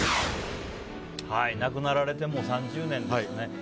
亡くなられてもう３０年ですね。